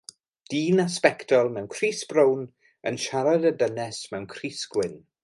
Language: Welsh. Dyn â sbectol mewn crys brown yn siarad â dynes mewn crys gwyn.